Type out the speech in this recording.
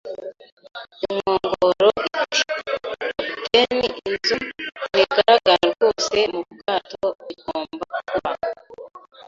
Inkongoro iti: “Kapiteni, inzu ntigaragara rwose mu bwato. Igomba kuba